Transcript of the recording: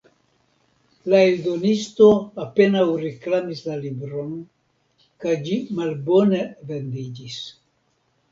La eldonisto apenaŭ reklamis la libron, kaj ĝi malbone vendiĝis.